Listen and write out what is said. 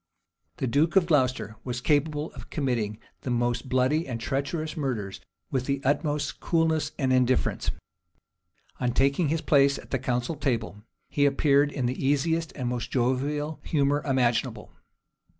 * Sir Thomas More. p. 493. The duke of Glocester was capable of committing the most bloody and treacherous murders with the utmost coolness and indifference. On taking his place at the council table, he appeared in the easiest and most jovial humor imaginable.